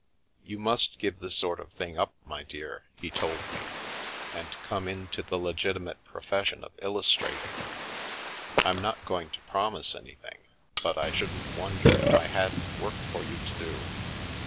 " You must give this sort of thing up, my dear," he told me, " and come into the legitimate profession of illustrating. I'm not going to promise anything, but I shouldn't wonder if I hadn't work for you to do."